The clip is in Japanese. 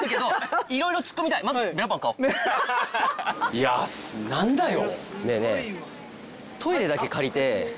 いや何だよ。